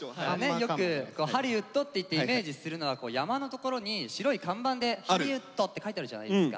よくハリウッドっていってイメージするのは山の所に白い看板で「ＨＯＬＬＹＷＯＯＤ」って書いてあるじゃないですか。